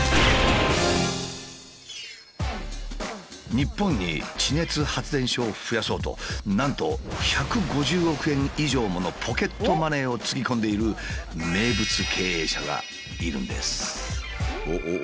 日本に地熱発電所を増やそうとなんと１５０億円以上ものポケットマネーをつぎ込んでいる名物経営者がいるんです。